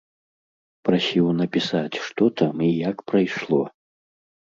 Прасіў напісаць што там і як прайшло.